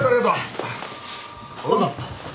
どうぞ。